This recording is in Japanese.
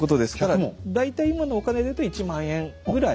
大体今のお金で言うと１万円ぐらい。